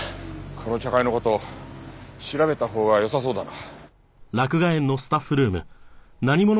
この茶会の事調べたほうがよさそうだな。